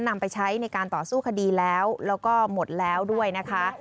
นำไปใช้ในการต่อสู้คดีแล้วแล้วก็หมดแล้วด้วยนะคะ